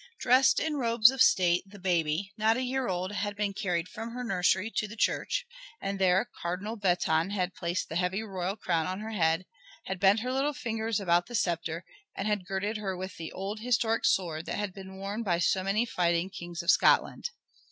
Dressed in robes of state the baby, not a year old, had been carried from her nursery to the church, and there Cardinal Beton had placed the heavy royal crown on her head, had bent her little fingers about the sceptre, and had girded her with the old historic sword that had been worn by so many fighting kings of Scotland.